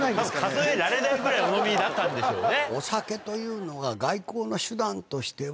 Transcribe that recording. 数えられないぐらいお飲みになったんでしょうね。